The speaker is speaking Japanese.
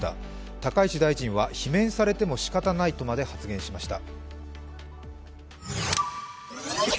高市大臣は罷免されてもしかたないとまで発言しました。